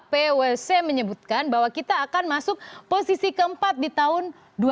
pwc menyebutkan bahwa kita akan masuk posisi keempat di tahun dua ribu dua puluh